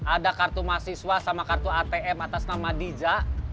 ada kartu mahasiswa sama kartu atm atas nama dija